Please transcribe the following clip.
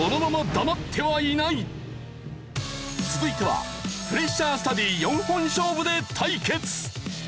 続いてはプレッシャースタディ４本勝負で対決！